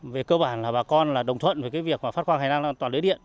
về cơ bản là bà con là đồng thuận với việc phát quang hành lang an toàn lưới điện